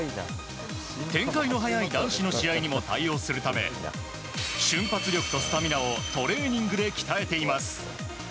展開の早い男子の試合にも対応するため瞬発力とスタミナをトレーニングで鍛えています。